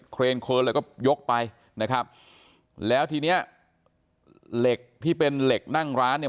เครนเคนแล้วก็ยกไปนะครับแล้วทีเนี้ยเหล็กที่เป็นเหล็กนั่งร้านเนี่ย